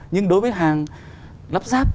nhưng đối với hàng lắp ráp